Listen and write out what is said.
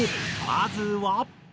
まずは。